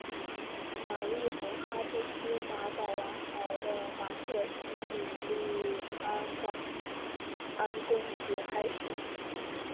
玛丽同哈布斯堡王朝的马克西米利安公爵开始。